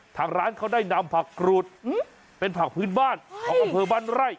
ทางร้านเขาได้นำผักกรูดเป็นผักพื้นบ้านของอำเภอบ้านไร่